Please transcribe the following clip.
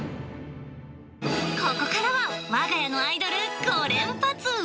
ここからは、わが家のアイドル５連発。